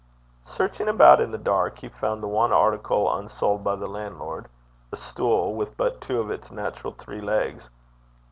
Searching about in the dark, he found the one article unsold by the landlord, a stool, with but two of its natural three legs.